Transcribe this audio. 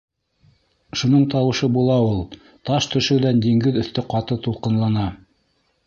Шуның тауышы була ул; таш төшөүҙән диңгеҙ өҫтө ҡаты тулҡынлана.